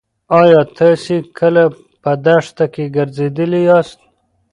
ایا تاسې کله په دښته کې ګرځېدلي یاست؟